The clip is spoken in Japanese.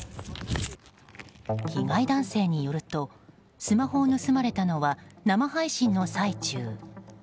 被害男性によるとスマホを盗まれたのは生配信の最中。